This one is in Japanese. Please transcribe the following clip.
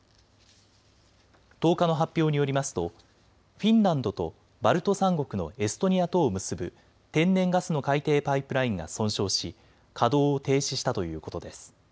１０日の発表によりますとフィンランドとバルト三国のエストニアとを結ぶ天然ガスの海底パイプラインが損傷し稼働を停止したということです。